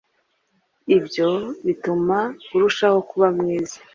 Ibyo bituma urushaho kuba mwiza